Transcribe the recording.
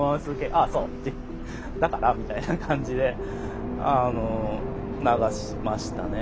「ああそう。だから？」みたいな感じであの流しましたね。